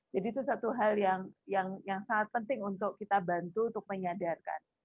jadi itu satu hal yang sangat penting untuk kita bantu untuk menyadarkan